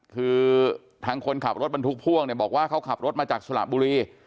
คือทางคนขับรถบรรทุกพ่วงเนี่ยบอกว่าเขาขับรถมาจากสระบุรี